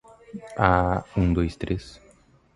Philip was previously married and had other children.